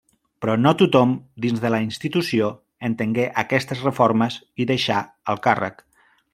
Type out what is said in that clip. Però no tothom dins de la institució entengué aquestes reformes i deixà el càrrec.